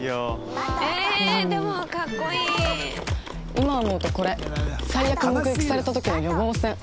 今思うとこれ最悪目撃された時の予防線。